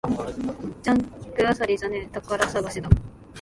ジャンク漁りじゃねえ、宝探しだ